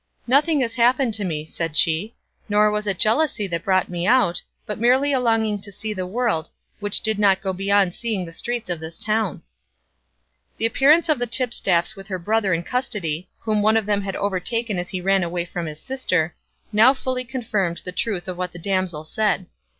"Nothing has happened me," said she, "nor was it jealousy that brought me out, but merely a longing to see the world, which did not go beyond seeing the streets of this town." The appearance of the tipstaffs with her brother in custody, whom one of them had overtaken as he ran away from his sister, now fully confirmed the truth of what the damsel said.